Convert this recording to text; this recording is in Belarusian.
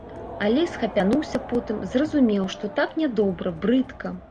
Але схапянуўся потым, зразумеў, што так нядобра, брыдка.